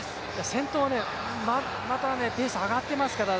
先頭はまたペースが上がっていますからね。